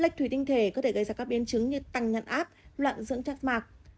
lệch thủy tinh thể có thể gây ra các biến chứng như tăng nhãn áp loạn dưỡng chắc mạc